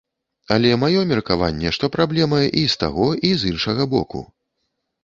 Але маё меркаванне, што праблема і з таго і з іншага боку.